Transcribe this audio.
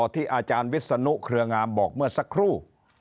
ที่อาจารย์วิศนุเครืองามบอกเมื่อสักครู่